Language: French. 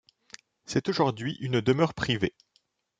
C'est aujourd'hui une demeure privée.